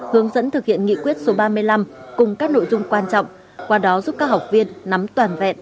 hướng dẫn thực hiện nghị quyết số ba mươi năm cùng các nội dung quan trọng qua đó giúp các học viên nắm toàn vẹn